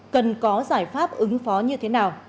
cần có giải pháp ứng phó như thế nào